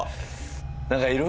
何かいる？